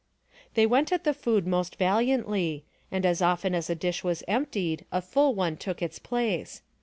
They went at the food most valiantly, and as often as a dish was emptied a full one took its place.